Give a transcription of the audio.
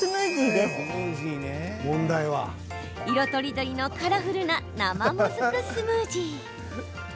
色とりどりのカラフルな生もずくスムージー。